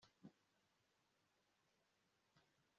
Bibaye nyuma yimyaka itatu